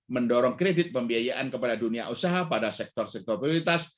mendorong kredit pembiayaan kepada dunia usaha pada sektor sektor prioritas